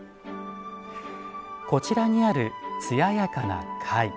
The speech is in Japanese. こちらにある、つややかな貝。